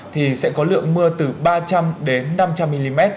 thì sẽ có lượng mưa từ ba trăm linh đến năm trăm linh mm